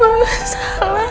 gue gak salah